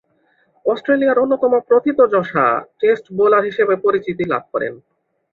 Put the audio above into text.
অস্ট্রেলিয়ার অন্যতম প্রথিতযশা test bowler হিসেবে পরিচিতি লাভ করেন।